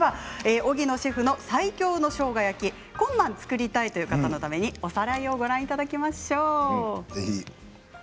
荻野シェフの最強のしょうが焼き今晩作りたいという方のためにおさらいをご覧いただきましょう。